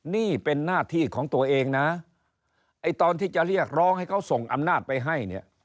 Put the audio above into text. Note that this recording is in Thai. นี่เป็นหน้าที่ของตัวเองนะไอ้ตอนที่จะเรียกร้องให้เขาส่งอำนาจไปให้เนี่ย